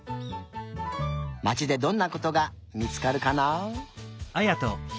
まちでどんなことが見つかるかな？